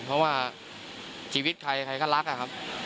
เพราะว่าชีวิตใครใครก็รักอะครับ